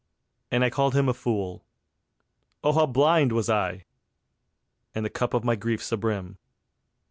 And I called him a fool ... oh how blind was I! And the cup of my grief's abrim.